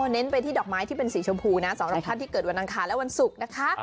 เน้นไปที่ดอกไม้ที่เป็นสีชมพูนะสำหรับท่านที่เกิดวันอังคารและวันศุกร์นะคะ